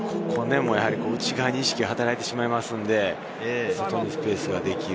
内側に意識が働いてしまいますので、外にスペースができる。